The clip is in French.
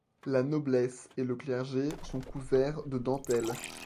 La noblesse et le clergé sont couverts de dentelles.